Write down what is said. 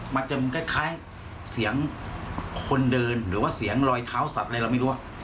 มันจะคล้ายเสียงคนเดินหรือว่าเสียงรอยเท้าสับอะไรเราไม่รู้